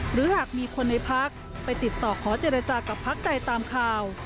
หรือหากมีคนในพักไปติดต่อขอเจรจากับพักใดตามข่าว